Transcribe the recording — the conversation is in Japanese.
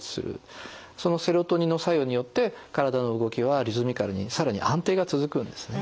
そのセロトニンの作用によって体の動きはリズミカルにさらに安定が続くんですね。